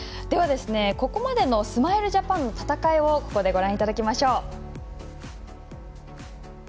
では、ここまでのスマイルジャパンの戦いをここでご覧いただきましょう。